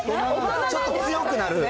ちょっと強くなる。